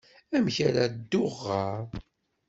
Amek ara dduɣ ɣer...?